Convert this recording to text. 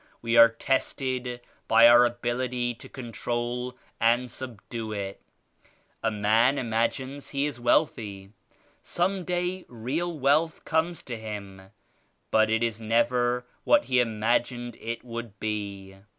We are tested by our ability to control and subdue it. A man imagines he is wealthy. Some day real wealth comes to him but it is never what he imagined it would be.